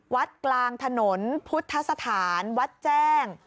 วัดกลางถนนพุทธสถานวัดแจ้ง